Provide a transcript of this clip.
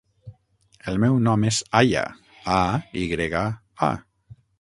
El meu nom és Aya: a, i grega, a.